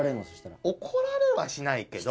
怒られはしないけど。